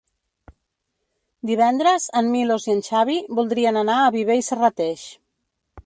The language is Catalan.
Divendres en Milos i en Xavi voldrien anar a Viver i Serrateix.